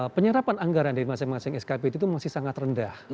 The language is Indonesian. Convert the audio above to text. penyerapan anggaran dari masing masing skbd itu masih sangat rendah